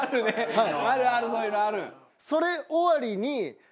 はい。